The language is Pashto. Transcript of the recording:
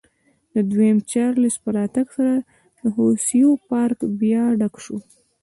د دویم چارلېز په راتګ سره د هوسیو پارک بیا ډک شو.